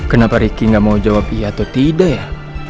kenapa ricky gak mau jawab iya atau tidak ya